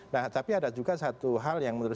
nah tapi ada juga satu hal yang menurut